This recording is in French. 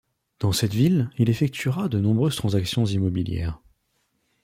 Dans cette ville, il effectuera de nombreuses transactions immobilières.